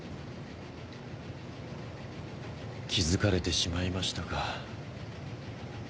気付かれてしまいましたか。